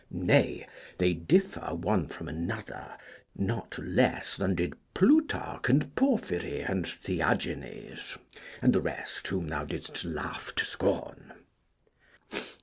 Nay, they differ one from another, not less than did Plutarch and Porphyry and Theagenes, and the rest whom thou didst laugh to scorn.